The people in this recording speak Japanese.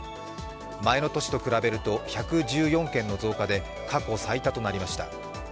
前の年と比べると１１４件の増加で過去最多となりました。